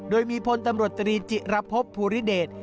โดยมีพลตำรวจตรีจิระพบภูริเดช